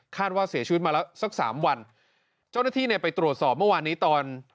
ว่าเสียชีวิตมาแล้วสักสามวันเจ้าหน้าที่เนี่ยไปตรวจสอบเมื่อวานนี้ตอน